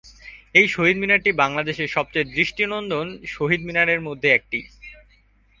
এই শহীদ মিনারটি বাংলাদেশের সবচেয়ে দৃষ্টিনন্দন শহীদ মিনারের মধ্যে একটি।